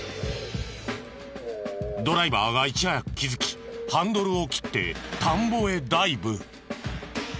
ドライバーがいち早く気づきハンドルを切って田んぼへダイブ！